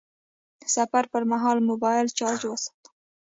د سفر پر مهال موبایل چارج وساته..